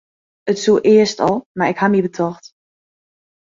It soe earst al, mar ik haw my betocht.